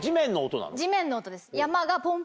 地面の音です。